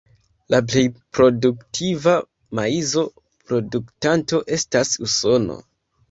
La plej produktiva maizo-produktanto estas Usono.